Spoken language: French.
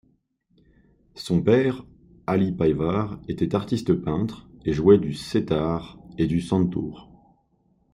Son père Ali Payvar était artiste peintre et jouait du setâr et du santûr.